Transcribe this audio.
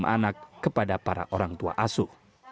dua puluh lima anak kepada para orang tua asuh